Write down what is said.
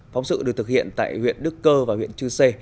phóng sự được thực hiện tại huyện đức cơ và huyện chư sê